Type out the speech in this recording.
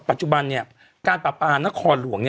ปัจจุบันการปราปานครหลวง